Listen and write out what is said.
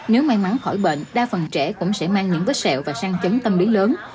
nếu may mắn khỏi bệnh đa phần trẻ cũng sẽ mang những vết sẹo và sang chấn tâm lý lớn